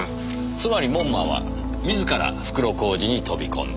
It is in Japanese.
つまり門馬は自ら袋小路に飛び込んだ。